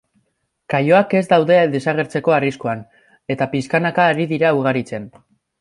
Kaioak ez daude desagertzeko arriskuan, eta pixkanaka ari dira ugaritzen.